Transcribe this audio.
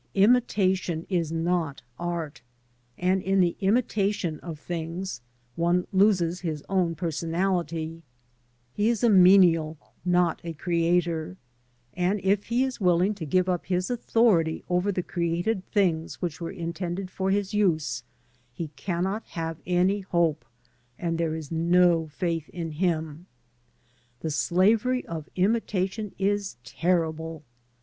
I mitation is n ot art, and in the i mitati on of things one loses his own personality, he is a menial, not a creator; and if he is willing to give up his authority over the created things which were intended for his use, he cannot have any hope, and there is no faith in him. The slavery of imitation is terrible.